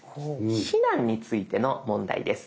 避難についての問題です。